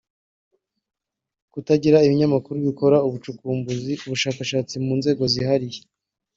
d) Kutagira ibinyamakuru bikora ubucukumbuzi (ubushakashatsi) mu nzego zihariye